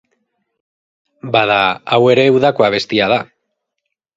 Bada, hau ere udako abestia da.